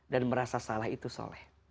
dan merasa salah itu soleh